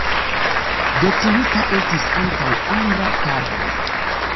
Detruita estis ankaŭ angla parko.